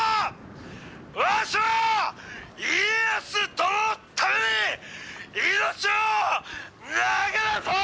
わしは家康殿のために命を投げ出そう！」。